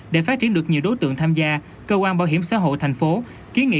để phát triển được nhiều đối tượng tham gia cơ quan bảo hiểm xã hội thành phố kiến nghị